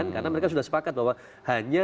karena mereka sudah sepakat bahwa hanya